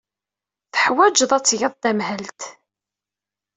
Teḥwajeḍ ad tgeḍ tamhelt.